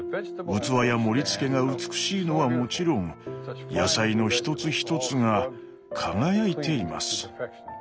器や盛りつけが美しいのはもちろん野菜の一つ一つが輝いています。